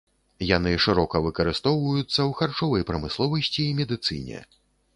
Яны шырока выкарыстоўваюцца ў харчовай прамысловасці і медыцыне.